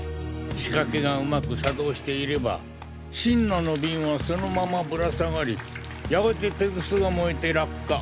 仕掛けがうまく作動していればシンナーのビンはそのままぶら下がりやがてテグスが燃えて落下。